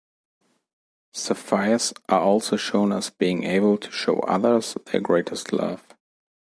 Sapphires are also shown as being able to show others their greatest love.